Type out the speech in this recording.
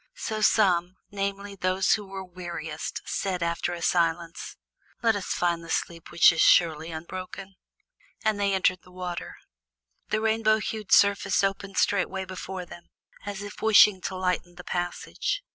So some, namely, those who were weariest, said after a silence: "Let us find the sleep which is surely unbroken." And they entered the water. The rainbow hued surface opened straightway before them, as if wishing to lighten the passage.